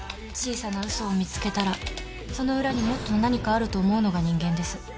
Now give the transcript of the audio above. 小さな嘘を見つけたらその裏に、もっと何かあると思うのが人間です。